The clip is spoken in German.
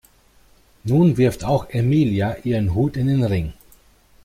Nun wirft auch Emilia ihren Hut in den Ring.